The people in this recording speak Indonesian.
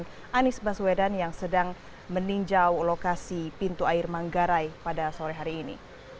dengan anies baswedan yang sedang meninjau lokasi pintu air manggarai pada sore hari ini